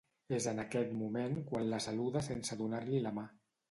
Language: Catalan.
És en aquest moment quan la saluda sense donar-li la mà.